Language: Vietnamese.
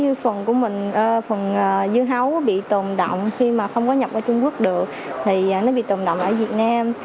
như phần của mình phần dưa hấu bị tồn động khi mà không có nhập ở trung quốc được thì nó bị tồn động ở việt nam